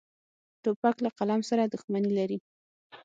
توپک له قلم سره دښمني لري.